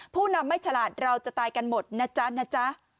ผู้นำไม่ฉลาดเราจะตายกันหมดนะจ๊ะนะจ๊ะ